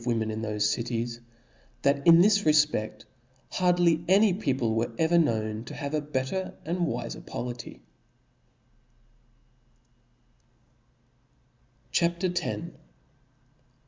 ^^ women in thofe cities, that in this refpcdt hard * ly any people wcrt ever known to have b^d a better and wiicr pplity f. C H A P. X.